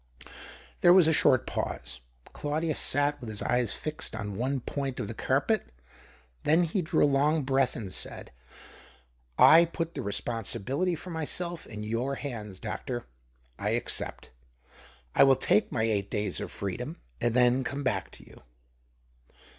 There was a short pause. Claudius sat with his eyes fixed on one point of the carpet, then he drew a long breath, and said —" I put the responsibility for myself in your hands, doctor. I accept. 1 will take my eight days of freedom, and then come back to you."